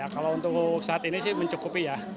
kalau untuk saat ini sih mencukupi ya